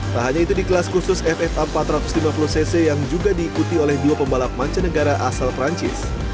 tak hanya itu di kelas khusus ffa empat ratus lima puluh cc yang juga diikuti oleh dua pembalap mancanegara asal perancis